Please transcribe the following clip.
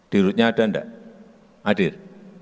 di rute nya ada enggak hadir